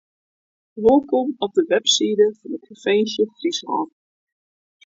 Wolkom op de webside fan de provinsje Fryslân.